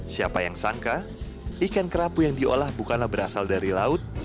siapa yang sangka ikan kerapu yang diolah bukanlah berasal dari laut